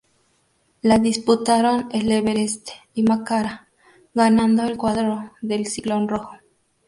La disputaron el Everest y Macará, ganando el cuadro del ciclón rojo.